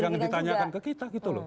jangan ditanyakan ke kita gitu loh